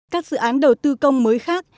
các dự án đầu tư công mới khác